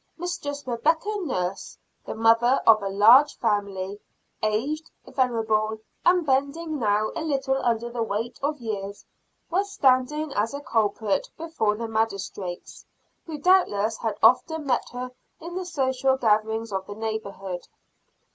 Mistress Rebecca Nurse, the mother of a large family; aged, venerable, and bending now a little under the weight of years, was standing as a culprit before the magistrates, who doubtless had often met her in the social gatherings of the neighborhood.